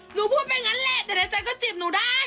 พูดอย่างนั้นแหละแต่ในใจก็จีบหนูได้